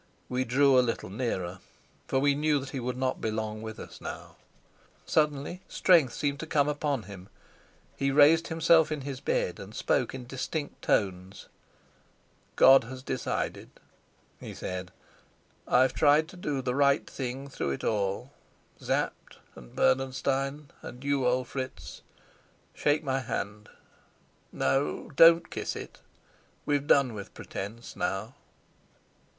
We drew a little nearer, for we knew that he would not be long with us now. Suddenly strength seemed to come upon him. He raised himself in his bed, and spoke in distinct tones. "God has decided," he said. "I've tried to do the right thing through it all. Sapt, and Bernenstein, and you, old Fritz, shake my hand. No, don't kiss it. We've done with pretence now."